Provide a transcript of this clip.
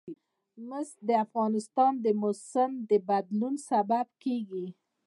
مس د افغانستان د موسم د بدلون سبب کېږي.